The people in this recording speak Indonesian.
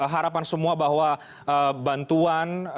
harapan semua bahwa bantuan